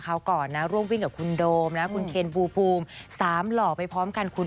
คราวก่อนร่วมวิ่งกับทุกคน๔หล่อไปพร้อมกัน